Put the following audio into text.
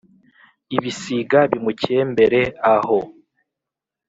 Ibisiga bimukembere aho!